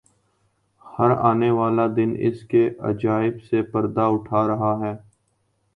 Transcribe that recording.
ہر آنے والا دن اس کے عجائب سے پردہ اٹھا رہا ہے۔